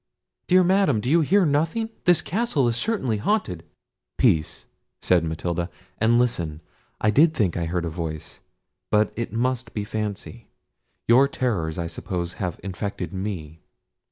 Dear Madam, do you hear nothing? this castle is certainly haunted!" "Peace!" said Matilda, "and listen! I did think I heard a voice—but it must be fancy: your terrors, I suppose, have infected me."